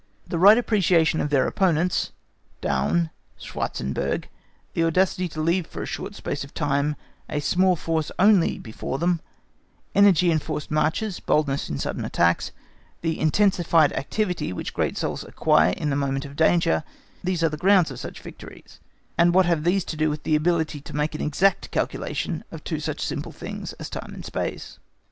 The right appreciation of their opponents (Daun, Schwartzenberg), the audacity to leave for a short space of time a small force only before them, energy in forced marches, boldness in sudden attacks, the intensified activity which great souls acquire in the moment of danger, these are the grounds of such victories; and what have these to do with the ability to make an exact calculation of two such simple things as time and space?